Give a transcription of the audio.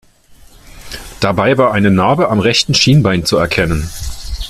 Dabei war eine Narbe am rechten Schienbein zu erkennen.